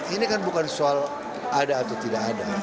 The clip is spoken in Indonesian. ini kan bukan soal ada atau tidak ada